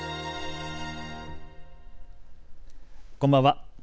こんばんは。